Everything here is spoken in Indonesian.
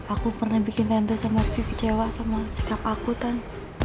aku pernah bikin tante sama rizky kecewa sama sikap aku tan